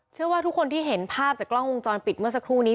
เชื่อว่าทุกคนที่เห็นภาพจากกล้องวงจรปิดเมื่อสักครู่นี้